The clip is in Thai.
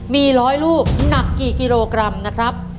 มี๑๐๐ลูกหนักกี่กิโลกรัมนะครับ